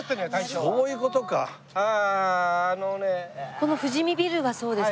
この富士見ビルがそうですか？